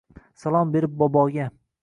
Salom berib boboga